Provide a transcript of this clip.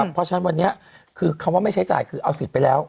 เพราะฉะนั้นวันนี้คือคำว่าไม่ใช้จ่ายคือเอาสิทธิ์ไปแล้ว